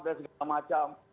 dan segala macam